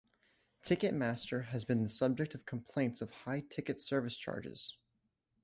Ticketmaster has been the subject of complaints of high ticket service charges.